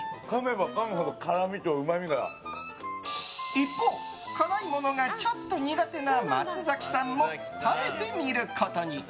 一方、辛いものがちょっと苦手な松崎さんも食べてみることに。